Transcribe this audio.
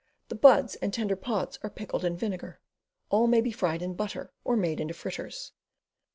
The buds and tender pods are pickled in vinegar. All may be fried in butter, or made into fritters.